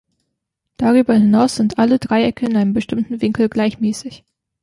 Darüber hinaus sind alle Dreiecke in einem bestimmten Winkel gleichmäßig.